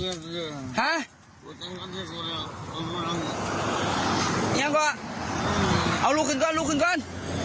ยังกว่าเอาลูกกันก่อนลูกกันก่อน